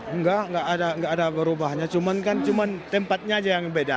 enggak enggak ada berubahnya cuma kan cuma tempatnya aja yang beda